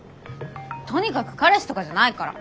とにかく彼氏とかじゃないから！